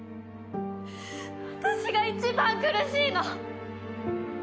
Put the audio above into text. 私が一番苦しいの！